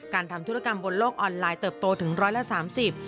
ทำธุรกรรมบนโลกออนไลน์เติบโตถึงร้อยละสามสิบ